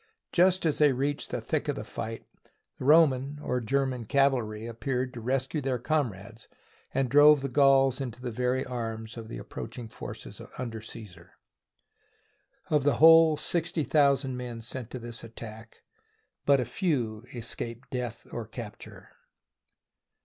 Just as they reached the thick of the fight, the Roman (or German) cavalry appeared to rescue their com rades and drove the Gauls into the very arms of the approaching forces under Caesar. Of the whole sixty thousand men sent to this at tack, but few escaped death or capture.